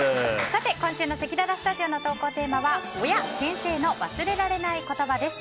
今週のせきららスタジオの投稿テーマは親・先生の忘れられない言葉です。